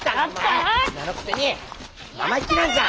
お前女のくせに生意気なんじゃ！